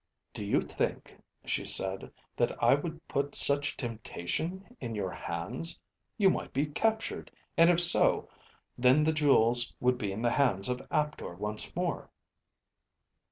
"Do you think," she said, "that I would put such temptation in your hands? You might be captured, and if so, then the jewels would be in the hands of Aptor once more."